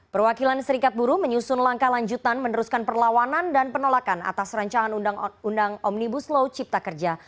perwakilan serikat buru menyusun langkah lanjutan meneruskan perlawanan dan penolakan atas rancangan undang undang omnibus law cipta kerja